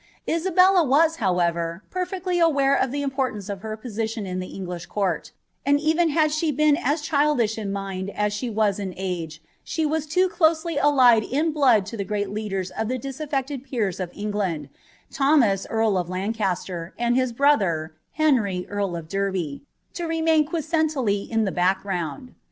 Isabelk was, however, pcnectJy aware of llie importance oT her poaiiion in the English court; and even hail she been as childish io mind as she was in age, she wae loo eloMly aUied in blood to the greai leadere of ihe disamcted jieers of England^ Tlionias earl of l^ncasier, and his brother, Uenry earl of Derby, lo rcinatn quiescently in ihe back ground.